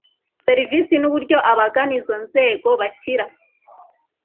serivisi n uburyo abagana izo nzego bakira